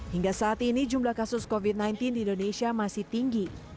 hingga saat ini jumlah kasus covid sembilan belas di indonesia masih tinggi